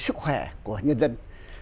sức khỏe của nhân dân